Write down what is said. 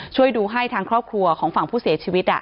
ช่วยดูให้ทางครอบครัวของฝั่งผู้เสียชีวิต